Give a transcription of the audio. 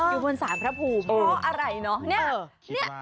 อยู่บนส้านพระภูมีเพราะอะไรเนอะ